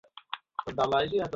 Mission এখনও ব্যর্থ হয়নি।